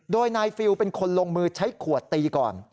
โดยนายฟิลเป็นคนลงมือใช้ขวดตีก่อน